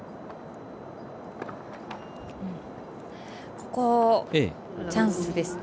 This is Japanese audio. ここ、チャンスですね。